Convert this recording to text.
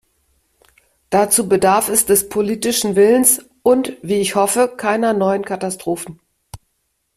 Dazu bedarf es des politischen Willens und, wie ich hoffe, keiner neuen Katastrophen.